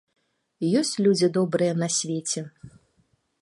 Ёсць людзі добрыя на свеце.